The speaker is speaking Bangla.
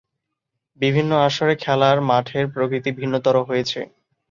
বিভিন্ন আসরে খেলার মাঠের প্রকৃতি ভিন্নতর হয়েছে।